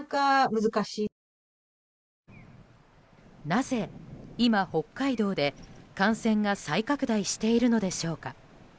なぜ今、北海道で感染が再拡大しているのでしょうか。